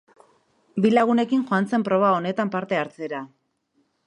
Bi lagunekin joan zen proba honetan parte hartzera.